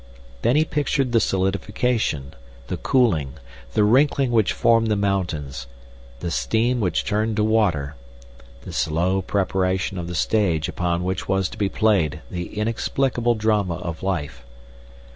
Then he pictured the solidification, the cooling, the wrinkling which formed the mountains, the steam which turned to water, the slow preparation of the stage upon which was to be played the inexplicable drama of life.